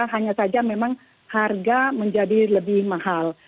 hanya saja memang harga menjadi lebih mahal